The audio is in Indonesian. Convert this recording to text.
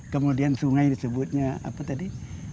kemudian sungai disebutnya apa tadi